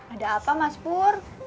ada apa mas pur